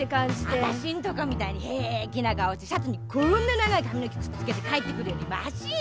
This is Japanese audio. あたしんとこみたいに平気な顔してシャツにこーんな長い髪の毛くっつけて帰ってくるよりましよ。